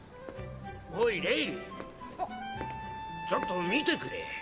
ちょっと見てくれ。